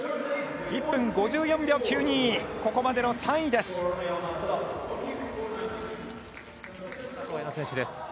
１分５４秒９２、ここまでの３位です。